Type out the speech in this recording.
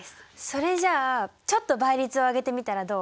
それじゃあちょっと倍率を上げてみたらどう？